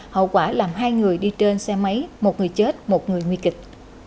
hậu quả làm hai người đi trên xe máy một người chết một người nguy kịch